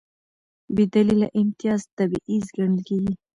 بېدلیله امتیاز تبعیض ګڼل کېږي.